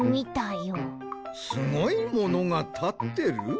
すごいものがたってる？